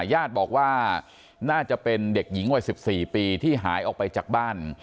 ญาติบอกว่าน่าจะเป็นเด็กหญิงวัย๑๔ปีที่หายออกไปจากบ้าน